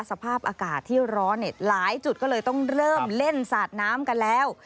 สภาพอากาศที่ร้อนหลายจุดก็เลยต้องเริ่มเล่นสาดน้ำกันแล้ว